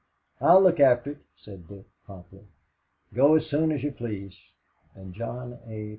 "I'll look after it," said Dick, promptly. "Go as soon as you please," and John A.